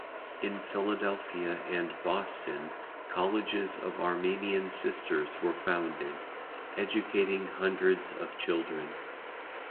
In Philadelphia and Boston Colleges of Armenian sisters were founded, educating hundreds of children.